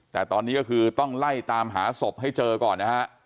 แต่ตอนนี้ก็คือต้องไล่ตามหาศพให้เจอก่อนนะฮะ